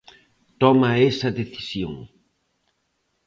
Toma esa decisión.